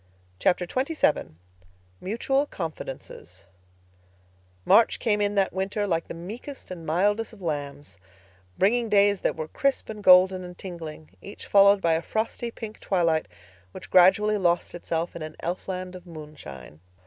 Chapter XXVII Mutual Confidences March came in that winter like the meekest and mildest of lambs, bringing days that were crisp and golden and tingling, each followed by a frosty pink twilight which gradually lost itself in an elfland of moonshine.